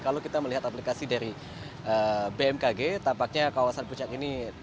kalau kita melihat aplikasi dari bmkg tampaknya kawasan puncak ini